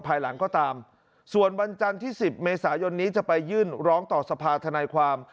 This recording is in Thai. ภายหลังก็ตามส่วนวันจันทร์ที่๑๐เมษายนนี้จะไปยื่นร้องต่อสภาธนายความ